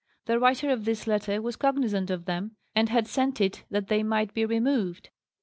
The writer of this letter was cognizant of them, and had sent it that they might be removed.